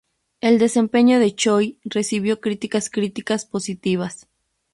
El desempeño de Choi recibió críticas críticas positivas.